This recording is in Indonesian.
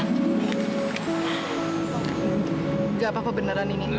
enggak apa apa beneran ini